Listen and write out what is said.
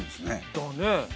だね。